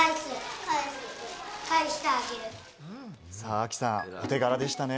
亜希さん、お手柄でしたね。